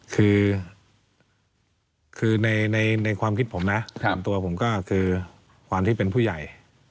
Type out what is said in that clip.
คือคือในความคิดผมนะตามตัวผมก็คือความที่เป็นผู้ใหญ่